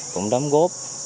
cũng đóng góp